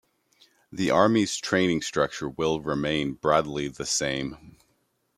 The Army's training structure will remain broadly the same.